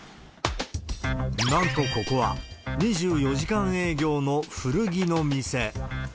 なんとここは、２４時間営業の古着の店。